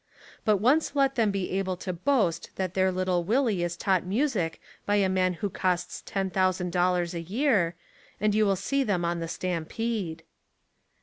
But once let them be able to boast that their little Willie is taught music by a man who costs ten thousand dollars a year, and you will see them on the stampede.